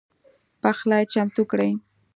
پخلی چمتو کړئ